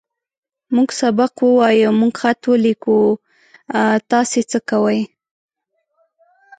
موږ سبق ووايه. موږ خط وليکو. تاسې څۀ کوئ؟